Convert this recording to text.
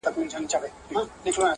غوړېدلی به ټغر وي د خوښیو اخترونو!!